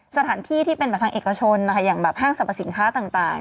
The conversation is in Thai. สถานที่ที่เป็นฮ่างเหตุผลชนฮ่างสรรพสินค้าต่าง